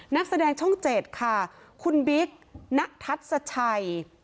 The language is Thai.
นักแสดงช่องเจ็ดค่ะคุณบิ๊กร์ณัฐัจชัย